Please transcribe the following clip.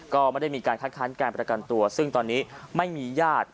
ก็ไม่ได้มีการคัดค้านการประกันตัวซึ่งตอนนี้ไม่มีญาติ